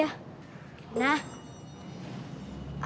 nah berapa ini